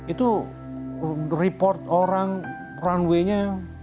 itu report orang runway nya